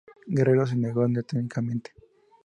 Guerrero se negó terminantemente.